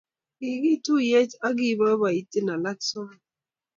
kikituiyech ak kiboitinin alak somok